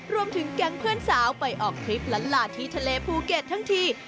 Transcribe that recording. รวมถึงแก๊งเพื่อนสาวไปออกทริปล้านหลาที่ทะเลภูเก็ตทั้งที